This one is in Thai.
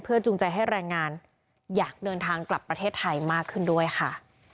จูงใจให้แรงงานอยากเดินทางกลับประเทศไทยมากขึ้นด้วยค่ะ